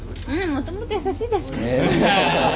「もともと優しいですから」